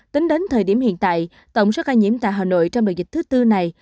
tính đến thời điểm hiện tại tổng số ca nhiễm tại hà nội trong đợt dịch thứ tư này